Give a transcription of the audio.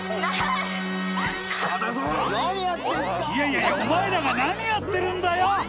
いやいやお前らが何やってるんだよ！